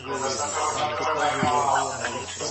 پخواني قاضیان د ډیموکراتیکي رایې ورکولو حق نه لري.